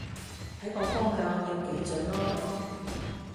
睇個方向要幾準囉